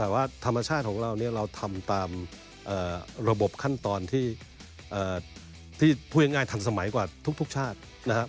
แต่ว่าธรรมชาติของเราเนี่ยเราทำตามระบบขั้นตอนที่พูดง่ายทันสมัยกว่าทุกชาตินะครับ